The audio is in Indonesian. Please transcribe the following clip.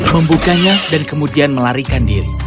membukanya dan kemudian melarikan diri